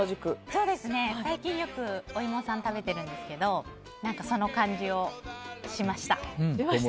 最近よくお芋さん食べてるんですけどその感じがしました。